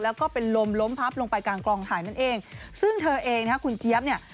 แล้วก็เป็นลมล้มพับลงไปกลางกองถ่ายนั่นเองซึ่งเธอเองนะฮะคุณเจี๊ยบเนี่ย